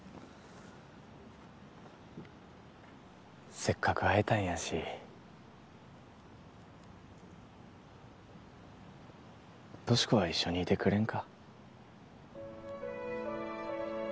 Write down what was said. せっかく会えたんやし俊子は一緒にいてくれんか？